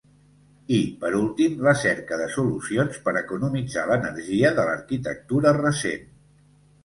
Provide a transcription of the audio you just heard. I, per últim, la cerca de solucions per economitzar l'energia de l'arquitectura recent.